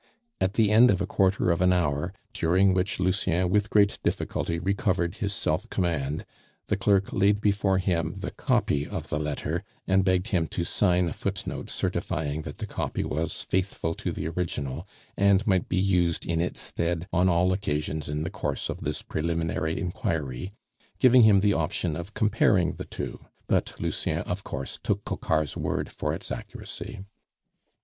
At the end of a quarter of an hour, during which Lucien with great difficulty recovered his self command, the clerk laid before him the copy of the letter and begged him to sign a footnote certifying that the copy was faithful to the original, and might be used in its stead "on all occasions in the course of this preliminary inquiry," giving him the option of comparing the two; but Lucien, of course, took Coquart's word for its accuracy.